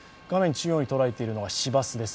中央に捉えているのは市バスです。